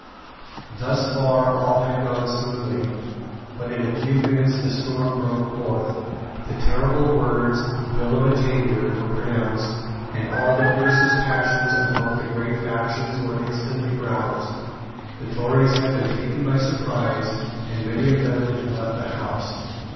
Thus far all had gone smoothly; but in a few minutes the storm broke forth. The terrible words, Bill of Attainder, were pronounced; and all the fiercest passions of both the great factions were instantly roused. The Tories had been taken by surprise, and many of them had left the house.